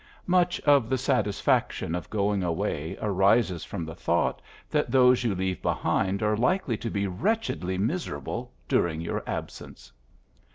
Much of the satisfaction of going away arises from the thought that those you leave behind are likely to be wretchedly miserable during your absence.